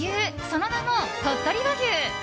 その名も鳥取和牛。